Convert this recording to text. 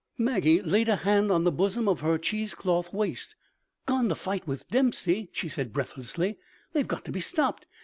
Maggie laid a hand on the bosom of her cheesecloth waist. "Gone to fight with Dempsey!" she said, breathlessly. "They've got to be stopped.